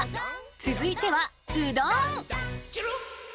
続いてはうどん！